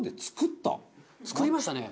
作りましたね。